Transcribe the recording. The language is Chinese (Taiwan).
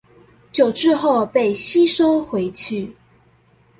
久置後被吸收回去